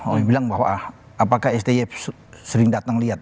orang bilang bahwa apakah sti sering datang lihat